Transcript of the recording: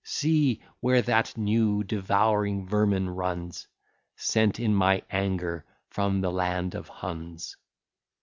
See, where that new devouring vermin runs, Sent in my anger from the land of Huns!